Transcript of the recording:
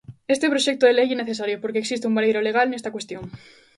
Este proxecto de lei é necesario, porque existe un baleiro legal nesta cuestión.